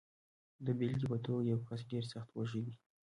د بېلګې په توګه، یو کس ډېر سخت وږی دی.